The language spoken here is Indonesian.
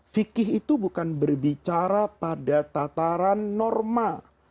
fikih itu bukan berbicara pada tataran norma